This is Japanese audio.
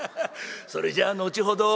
それじゃ後ほど」。